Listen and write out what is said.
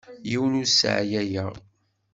Yiwen ur t-sseɛyayeɣ.